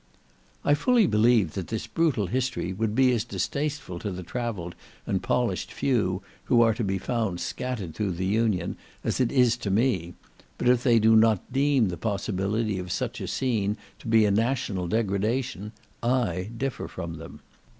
I fully believe that this brutal history would be as distasteful to the travelled and polished few who are to be found scattered through the Union, as it is to me: but if they do not deem the possibility of such a scene to be a national degradation, I differ from them.